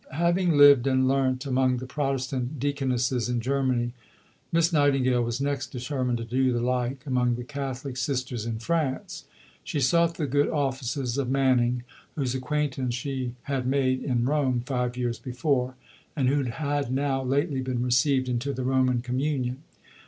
V Having lived and learnt among the Protestant Deaconesses in Germany, Miss Nightingale was next determined to do the like among the Catholic Sisters in France. She sought the good offices of Manning, whose acquaintance she had made in Rome five years before, and who had now lately been received into the Roman Communion.